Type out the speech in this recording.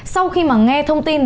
sau khi mà nghe thông tin